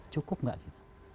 cukup gak kita